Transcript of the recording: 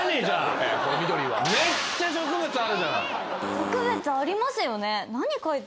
植物ありますよね？